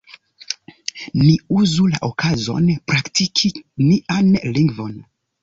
Ni uzu la okazon praktiki nian lingvon!